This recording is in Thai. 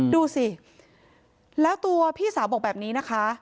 ดูสิแล้วตัวพี่สาวบอกแบบนี้นะคะ